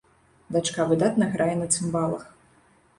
Дачка выдатна грае на цымбалах.